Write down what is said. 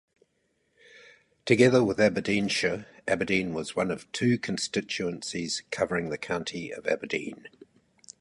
Together with Aberdeenshire, Aberdeen was one of two constituencies covering the county of Aberdeen.